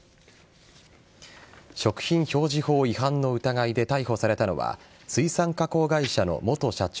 食品表示法違反の疑いで逮捕されたのは水産加工会社の元社長